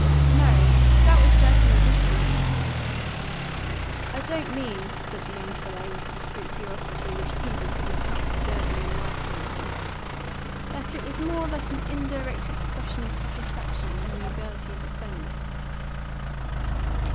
"No, that was certainly different." "I don't mean," said the young fellow, with the scrupulosity which people could not help observing and liking in him, "that it was more than an indirect expression of satisfaction in the ability to spend."